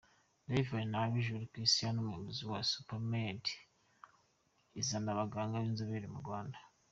Rgavan na Abijuru Christian umuyobozi wa SuperMed izana abaganga b'inzobere mu Rwanda.